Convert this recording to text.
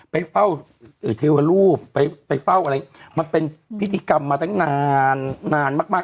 ไปเฝ้าเทวรูปไปไปเฝ้าอะไรมันเป็นพิธีกรรมมาตั้งนานนานมาก